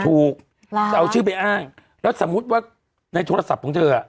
ถูกจะเอาชื่อไปอ้างแล้วสมมุติว่าในโทรศัพท์ของเธออ่ะ